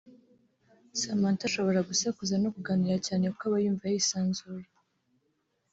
Samantha ashobora gusakuza no kuganira cyane kuko aba yumva yisanzuye